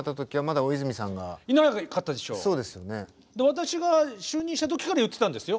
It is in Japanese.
私が就任した時から言ってたんですよ。